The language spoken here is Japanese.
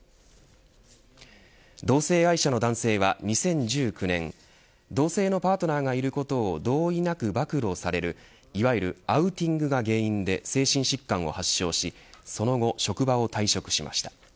同性愛者の男性は２０１９年同性のパートナーがいることを同意なく暴露されるいわゆるアウティングが原因で精神疾患を発症しその後、職場を退職しました。